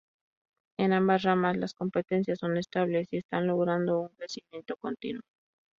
En ambas ramas las competencias son estables y están logrando un crecimiento continuo.